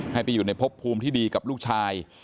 ให้ไปอยู่ในพบภูมิที่ดีกับลูกชาย